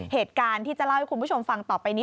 เหตุการณ์ที่จะเล่าให้คุณผู้ชมฟังต่อไปนี้